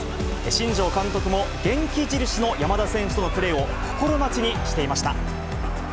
新庄監督も、元気印の山田選手とのプレーを心待ちにしていました。